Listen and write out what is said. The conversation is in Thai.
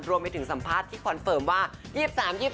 รวมไปถึงสัมภาษณ์ที่คอนเฟิร์มว่า